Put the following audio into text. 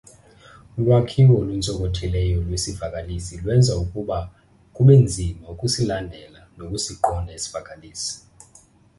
Ulwakhiwo oluntsokothileyo lwesivakalisi lwenza ukuba kubenzima ukusilandela nokusiqonda isivakalisi.